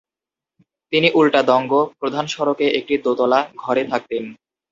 তিনি উল্টাদঙ্গ প্রধান সড়কে একটি দো-তলা ঘরে থাকতেন।